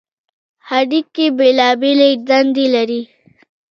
هډوکي بېلابېلې دندې لري.